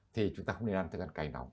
thì chúng ta không nên ăn thức ăn cay nóng